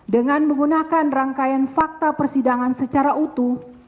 dengan menggunakan rangkaian fakta persidangan secara utuh